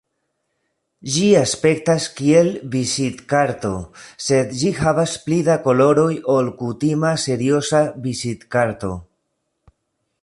Ĝi aspektas kiel vizitkarto, sed ĝi havas pli da koloroj ol kutima serioza vizitkarto.